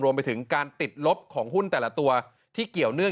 รวมไปถึงการติดลบของหุ้นแต่ละตัวที่เกี่ยวเนื่อง